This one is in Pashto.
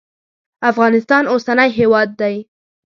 افغانستان اوسنی هیواد دی.